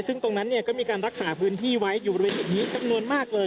ซึ่งตรงนั้นก็มีการรักษาพื้นที่ไว้อยู่บริเวณจุดนี้จำนวนมากเลย